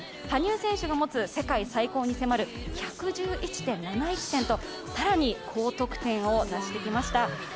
羽生選手が持つ世界最高得点に迫る１１１．７１点と、更に高得点を出してきました。